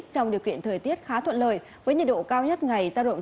trong điều kiện thời tiết khá thuận lợi với nhiệt độ cao nhất ngày giao động